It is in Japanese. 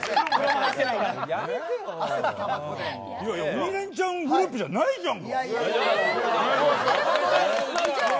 「鬼レンチャン」グループじゃないじゃん。